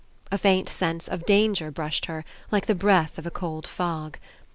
A faint sense of dan ger brushed her, like the breath of a cold fog.